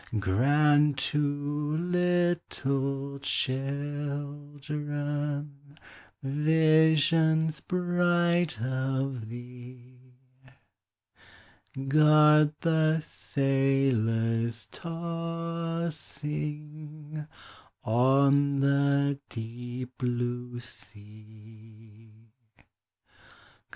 Grant to little children Visions bright of thee; Guard the sailors tossing On the deep blue sea.